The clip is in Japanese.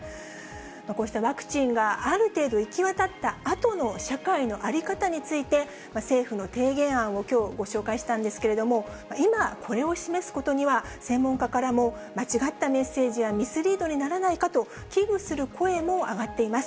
こうしたワクチンがある程度、行き渡ったあとの社会の在り方について、政府の提言案をきょう、ご紹介したんですけれども、今、これを示すことには、専門家からも、間違ったメッセージやミスリードにならないかと、危惧する声も上がっています。